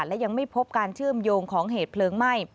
และยังไม่พบการเชื่อมโยงของเหตุเพลิงไหม้